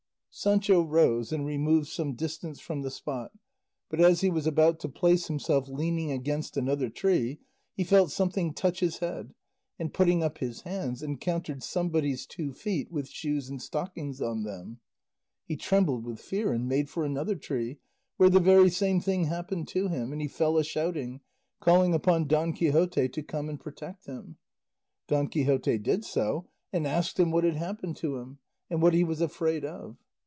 Sancho rose and removed some distance from the spot, but as he was about to place himself leaning against another tree he felt something touch his head, and putting up his hands encountered somebody's two feet with shoes and stockings on them. He trembled with fear and made for another tree, where the very same thing happened to him, and he fell a shouting, calling upon Don Quixote to come and protect him. Don Quixote did so, and asked him what had happened to him, and what he was afraid of.